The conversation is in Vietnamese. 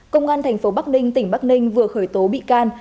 công an tp bắc ninh tỉnh bắc ninh vừa khởi tố bị can